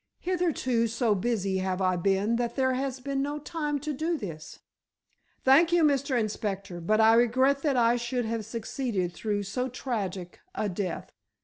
Hitherto so busy have I been that there has been no time to do this." "Thank you, Mr. Inspector, but I regret that I should have succeeded through so tragic a death."